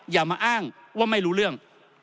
อย่ามาอ้างว่าไม่รู้เรื่อง